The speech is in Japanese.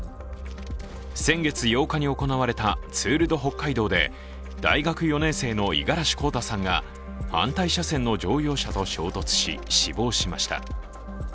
先月８日に行われたツール・ド・北海道で、大学４年生の五十嵐洸太さんが反対車線の乗用車と衝突し、死亡しました。